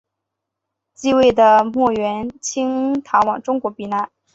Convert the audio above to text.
继位的莫元清逃往中国避难。